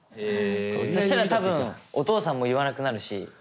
そしたら多分お父さんも言わなくなるし。